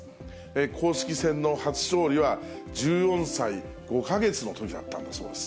公式戦の初勝利は１４歳５か月のときだったんだそうです。